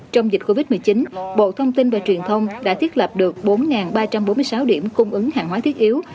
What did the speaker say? trong dịch covid một mươi chín bộ thông tin và truyền thông đã thiết lập được bốn ba trăm bốn mươi sáu điểm cung ứng hàng hóa thiết yếu